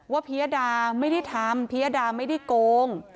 พิยดาไม่ได้ทำพิยดาไม่ได้โกง